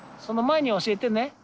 その前に教えてね。